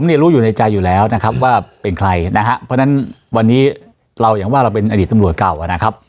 เนี่ยรู้อยู่ในใจอยู่แล้วนะครับว่าเป็นใครนะฮะเพราะฉะนั้นวันนี้เราอย่างว่าเราเป็นอดีตตำรวจเก่านะครับ